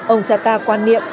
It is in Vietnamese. ông trà ta quan niệm